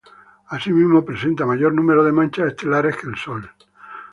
Asimismo, presenta mayor número de manchas estelares que el Sol.